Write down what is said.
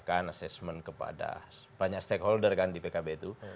assessment kepada banyak stakeholder kan di pkb itu